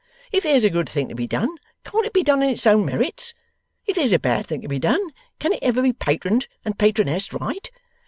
If there's a good thing to be done, can't it be done on its own merits? If there's a bad thing to be done, can it ever be Patroned and Patronessed right?